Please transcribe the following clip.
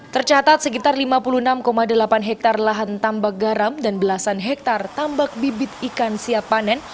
tercatat sekitar lima puluh enam delapan hektare lahan tambak garam dan belasan hektare tambak bibit ikan siap panen